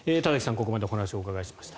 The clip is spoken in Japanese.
ここまでお話をお伺いしました。